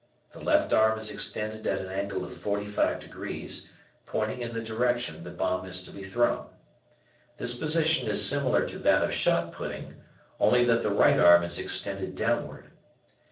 The left arm is extended at an angle of 45 degrees, pointing in the direction the bomb is to be thrown. This position is similar to that of shot putting, only that the right arm is extended downward.